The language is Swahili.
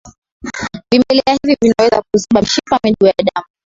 vimelea hivi vinaweza kuziba mishipa midogo ya damu